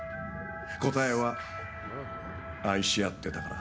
答えは、愛し合ってたから。